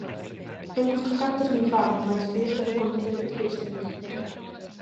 Non busca cartos nin fama mais si ese recoñecemento dos seus.